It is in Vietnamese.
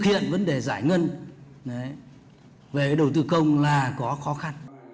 hiện vấn đề giải ngân về đầu tư công là có khó khăn